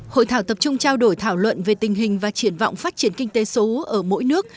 hội thảo tập trung trao đổi thảo luận về tình hình và triển vọng phát triển kinh tế số ở mỗi nước